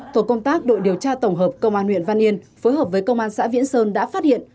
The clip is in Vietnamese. tổ công tác đội điều tra tổng hợp công an huyện văn yên phối hợp với công an xã viễn sơn đã phát hiện